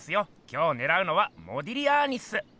今日ねらうのは「モディリアーニ」っす。